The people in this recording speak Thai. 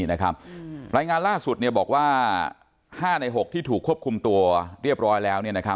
รายงานล่าสุดบอกว่า๕ใน๖ที่ถูกควบคุมตัวเรียบร้อยแล้ว